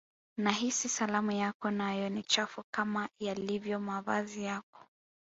nahisi salamu yako nayo ni chafu kama yalivyo mavazi yako